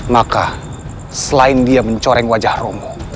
maka selain dia mencoreng wajah romo